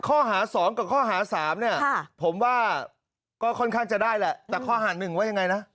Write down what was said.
ข้อหา๒กับข้อหา๓เนี่ยผมว่าก็ค่อนข้างจะได้แหละแต่ข้อหาหนึ่งว่ายังไงนะ